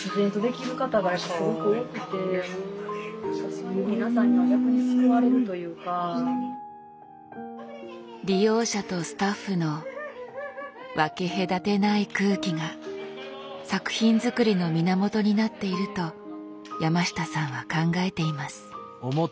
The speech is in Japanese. そういうのとかも何と言うか利用者とスタッフの分け隔てない空気が作品作りの源になっていると山下さんは考えています。